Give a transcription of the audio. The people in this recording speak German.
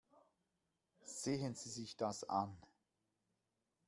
Sehen Sie sich das an.